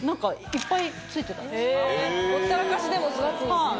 ほったらかしでも育つんですね。